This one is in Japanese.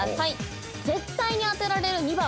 絶対に当てられる２番。